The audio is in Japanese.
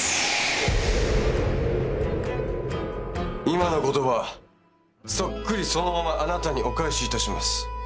今の言葉そっくりそのままあなたにお返しいたします。